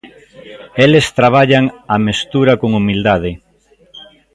Eles traballan a mestura con humildade.